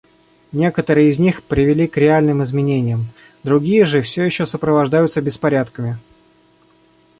Некоторые из них привели к реальным изменениям, другие же все еще сопровождаются беспорядками.